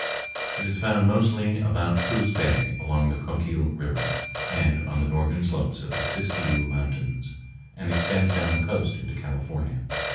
It is found mostly about Coos Bay, along the Coquille River, and on the northern slopes of the Siskiyou Mountains, and extends down the coast into California.